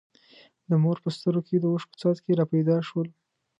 د مور په سترګو کې د اوښکو څاڅکي را پیدا شول.